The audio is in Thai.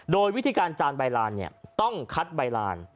โดยวิธีการจานใบลานต้องคัดใบลาน